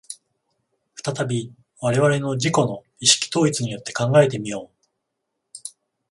再び我々の自己の意識統一によって考えて見よう。